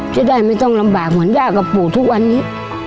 จะได้ไม่ต้องลำบากเหมือนย่ากับปู่ทุกวันนี้